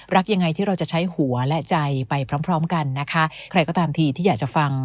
รักยังไงที่เราจะใช้หัวและใจไปพร้อมพร้อมกันนะคะใครก็ตามทีที่อยากจะฟัง